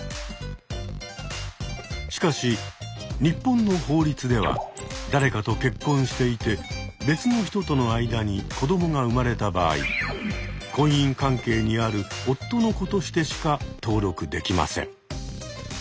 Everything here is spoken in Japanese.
しかし日本の法律では誰かと結婚していて別の人との間に子どもが産まれた場合婚姻関係にある夫の子としてしか登録できません。